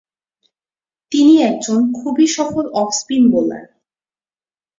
তিনি একজন খুবই সফল অফ স্পিন বোলার।